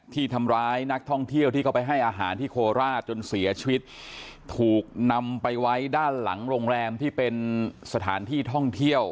ที่ทำร้ายนักท่องเที่ยวที่เขาไปให้อาหารที่โคราชจนเสียชีวิตถูกนำไปไว้ด้านหลังโรงแรมที่เป็นสถานที่ท่องเที่ยว